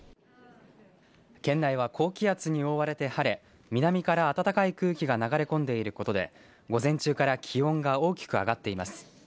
県内は高気圧に覆われて晴れ南から暖かい空気が流れ込んでいることで午前中から気温が大きく上がっています。